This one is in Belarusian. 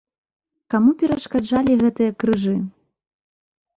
Каму перашкаджалі гэтыя крыжы?